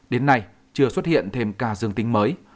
đến nay chưa xuất hiện thêm ca dương tính mới